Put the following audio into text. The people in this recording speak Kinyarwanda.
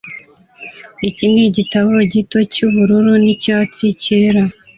Iki nigitabo gito cyubururu nicyatsi cyera